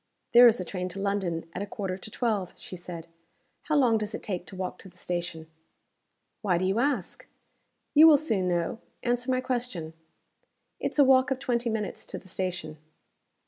"There is a train to London at a quarter to twelve," she said. "How long does it take to walk to the station?" "Why do you ask?" "You will soon know. Answer my question." "It's a walk of twenty minutes to the station."